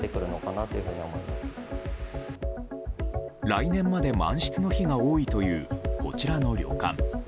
来年まで満室の日が多いというこちらの旅館。